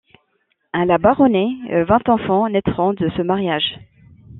À la Baronnais, vingt enfants naîtront de ce mariage.